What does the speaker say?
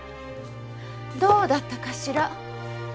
どうだったかしら。